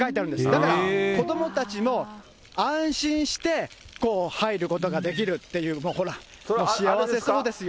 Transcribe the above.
だから、子どもたちも安心して入ることができるっていう、ほら、幸せそうですよ。